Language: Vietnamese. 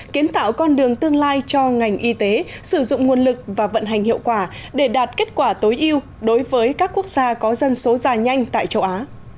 kiến tạo con đường tương lai cho ngành y tế sử dụng nguồn lực và vận hành hiệu quả để đạt kết quả tối yêu đối với các quốc gia có dân số già nhanh tại châu á